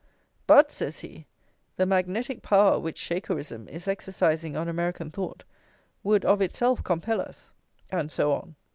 "But," says he, "the magnetic power which Shakerism is exercising on American thought would of itself compel us," and so on.